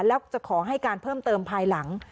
แล้วจะขอให้การเพิ่มเติมภายหลัง